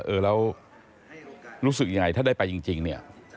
เออแล้วรู้สึกยังไงถ้าได้ไปจริงเนี่ย